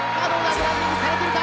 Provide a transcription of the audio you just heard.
グラウンディングされてるか！